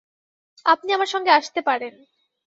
আপনি আমার সঙ্গে আসতে পারেন।